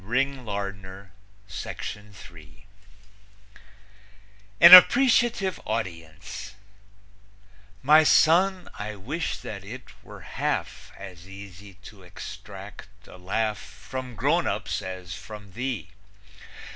AN APPRECIATIVE AUDIENCE My son, I wish that it were half As easy to extract a laugh From grown ups as from thee.